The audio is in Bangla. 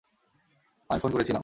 আমি ফোন করেছিলাম।